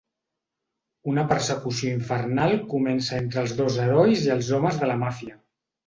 Una persecució infernal comença entre els dos herois i els homes de la màfia.